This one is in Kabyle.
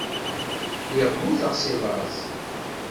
Lliɣ mmuteɣ seg laẓ.